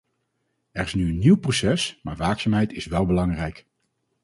Er is nu een nieuw proces, maar waakzaamheid is wel belangrijk.